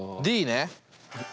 Ｄね。